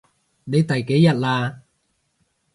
你第幾日喇？